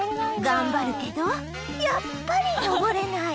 頑張るけどやっぱり上れない